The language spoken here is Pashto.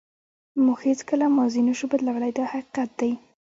موږ هیڅکله ماضي نشو بدلولی دا حقیقت دی.